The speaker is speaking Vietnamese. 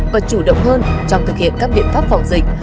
và chủ động hơn trong thực hiện các biện pháp phòng dịch